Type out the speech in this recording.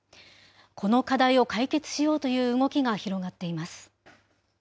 この課題を解決しようという動きが広がっています。